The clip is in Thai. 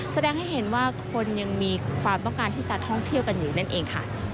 แสดงให้เห็นว่าคนยังมีความต้องการที่จะท่องเที่ยวกันอยู่นั่นเองค่ะ